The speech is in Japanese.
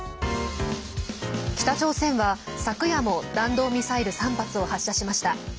北朝鮮は昨夜も弾道ミサイル３発を発射しました。